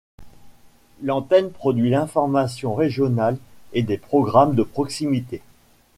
L'antenne produit l'information régionale et des programmes de proximité.